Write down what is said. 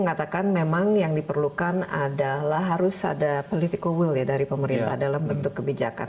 mengatakan memang yang diperlukan adalah harus ada political will ya dari pemerintah dalam bentuk kebijakan